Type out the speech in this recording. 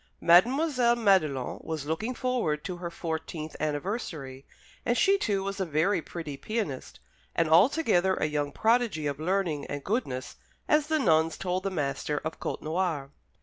Mademoiselle Madelon was looking forward to her fourteenth anniversary, and she, too, was a very pretty pianist, and altogether a young prodigy of learning and goodness, as the nuns told the master of Côtenoir.